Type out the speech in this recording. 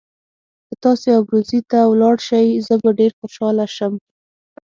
که تاسي ابروزي ته ولاړ شئ زه به ډېر خوشاله شم.